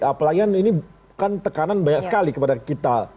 apalagi ini kan tekanan banyak sekali kepada kita